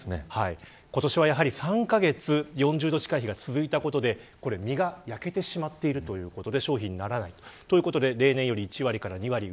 今年は、３カ月４０度近い日が続いたことで実が焼けてしまっているということです。